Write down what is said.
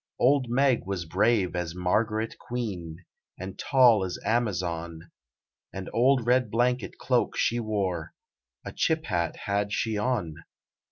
Old Meg was brave as Margaret Queen And tall as Amazon: An old red blanket cloak she wore; A chip hat had she on.